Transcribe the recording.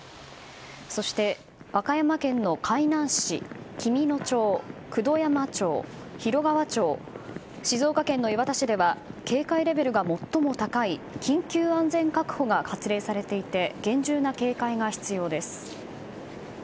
そして和歌山県の海南市、紀美野町九度山町、広川町静岡県の磐田市では警戒レベルが最も高い緊急安全確保がワン・ツー・スリー・Ｍｙｍｉｔｓ